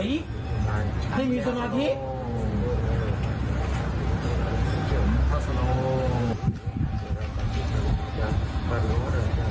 เอ้ยยอมแล้วยอมแล้วยอมเก็บเก็บเก็บยอมยอม